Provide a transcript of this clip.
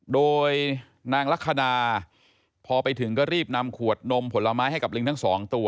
โดยนางลักษณะพอไปถึงก็รีบนำขวดนมผลไม้ให้กับลิงทั้งสองตัว